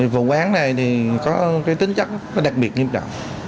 vụ án này có tính chất đặc biệt nghiêm trọng